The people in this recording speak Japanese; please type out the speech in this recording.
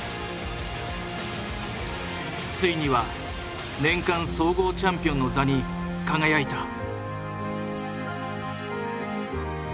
ついには年間総合チャンピオンの座に輝いた。